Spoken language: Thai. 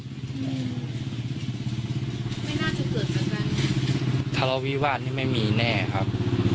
ไม่น่าจะเกิดเรื่องนั้นทะเลาวิวาสนี่ไม่มีแน่ครับ